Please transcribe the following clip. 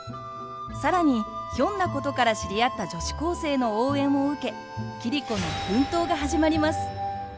更にひょんなことから知り合った女子高生の応援を受け桐子の奮闘が始まります。